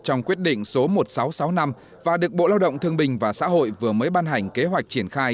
trong quyết định số một nghìn sáu trăm sáu mươi năm và được bộ lao động thương bình và xã hội vừa mới ban hành kế hoạch triển khai